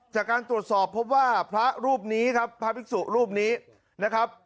จากการตรวจสอบพบว่าพระรูปนี้ครับพระภิกษุรูปนี้นะครับ